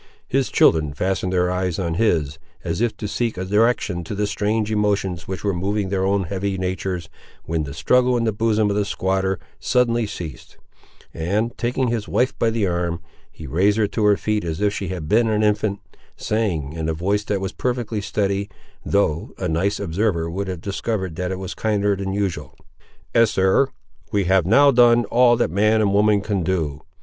His children fastened their eyes on his, as if to seek a direction to the strange emotions which were moving their own heavy natures, when the struggle in the bosom of the squatter suddenly ceased, and, taking his wife by the arm, he raised her to her feet as if she had been an infant, saying, in a voice that was perfectly steady, though a nice observer would have discovered that it was kinder than usual— "Eester, we have now done all that man and woman can do.